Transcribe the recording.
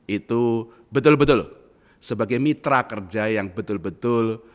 itu betul betul sebagai mitra kerja yang betul betul